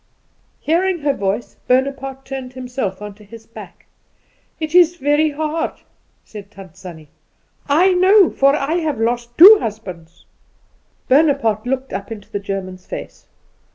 Hearing her voice, Bonaparte turned himself on to his back. "It's very hard," said Tant Sannie, "I know, for I've lost two husbands." Bonaparte looked up into the German's face.